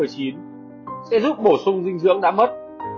sẽ giúp bổ sung dinh dưỡng đã mất